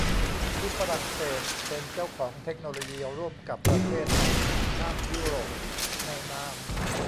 ที่ฝรั่งเศสเป็นเจ้าของเทคโนโลยีร่วมกับประเทศในสหภาพยุโรปในนาม